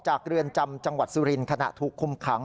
เรือนจำจังหวัดสุรินทร์ขณะถูกคุมขัง